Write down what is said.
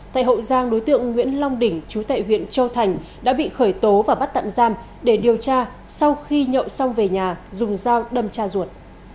tại hậu giang đối tượng nguyễn long đỉnh chú tại huyện châu thành đã bị khởi tố và bắt tạm giam để điều tra sau khi nhậu xong về nhà dùng dao đâm cha ruột